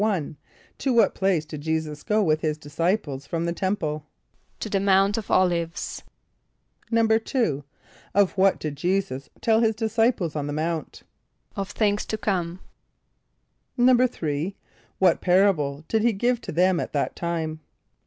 =1.= To what place did J[=e]´[s+]us go with his disciples from the temple? =To the Mount of [)O]l´[)i]ve[s+].= =2.= Of what did J[=e]´[s+]us tell his disciples on the Mount? =Of things to come.= =3.= What parable did he give to them at that time?